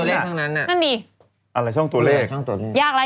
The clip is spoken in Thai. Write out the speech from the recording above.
ตัวเลขทั้งนั้นน่ะนั่นดีอะไรช่องตัวเลขช่องตัวเลขยากแล้ว